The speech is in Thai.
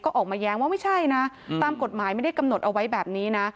ก็ออกมาแย้งว่าไม่ใช่นะตามกฎหมายไม่ได้กำหนดเอาไว้แบบนี้นะ